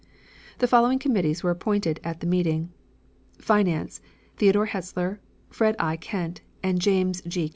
The following committees were appointed at the meeting: Finance Theodore Hetzler, Fred I. Kent and James G.